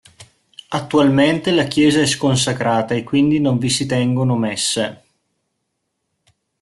Attualmente la chiesa è sconsacrata e quindi non vi si tengono messe.